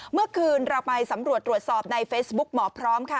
เมื่อคืนเราไปสำรวจตรวจสอบในเฟซบุ๊กหมอพร้อมค่ะ